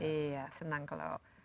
iya senang kalau